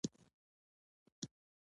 له علمه مه تښته.